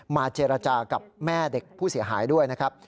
เจรจากับแม่เด็กผู้เสียหายด้วยนะครับ